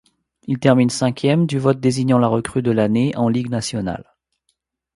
Il termine cinquième du vote désignant la recrue de l'année en Ligue nationale.